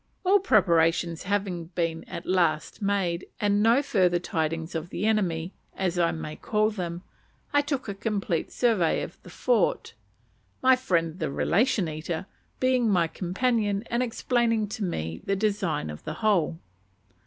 All preparations having been at last made, and no further tidings of the enemy, as I may call them, I took a complete survey of the fort; my friend the "Relation Eater" being my companion and explaining to me the design of the whole.